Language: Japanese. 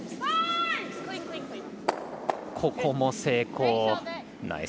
ここも成功。